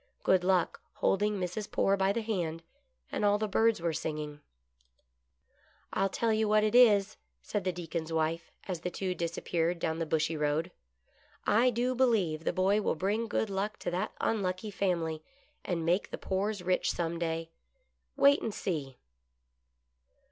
Good Luck holding Mrs. Poore by the hand, and all the birds were singing. 56 GOOD LUCK. " I'll tell you what it is," said the Deacon's wife as the two disappeared down the bushy road, " I do believe the boy will bring good luck to that unlucky family, and make the Poores rich some day. Wait and see."